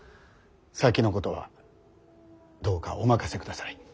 先のことはどうかお任せください。